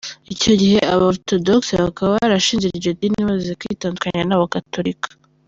Icyo gihe aba- Orthodox bakaba barashinze iryo dini bamaze kwitandukanya n’Abagatolika.